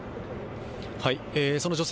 その女性